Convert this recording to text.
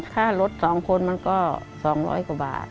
ฆ่ารถสองคนมันก็สองร้อยกว่าบาท